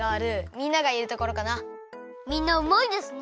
みんなうまいですね。